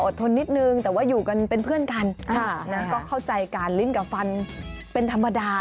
ทนนิดนึงแต่ว่าอยู่กันเป็นเพื่อนกันก็เข้าใจการลิ้นกับฟันเป็นธรรมดา